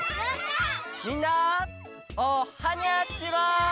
みんなおはにゃちは！